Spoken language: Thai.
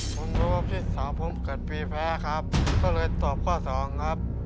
ตัวเลือกที่สามผมเกิดปีแพ้ครับก็เลยตอบข้อ๒ครับ